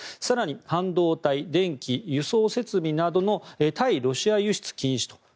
更に半導体、電気、輸送設備などの対ロシア輸出禁止と。